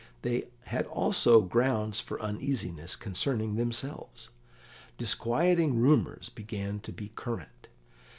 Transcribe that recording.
They had also grounds for uneasiness concerning themselves; disquieting rumours began to be current.